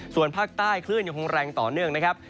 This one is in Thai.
ส่วนภาคใต้คลื่นยังคงแรงต่อเนื่องนะครับ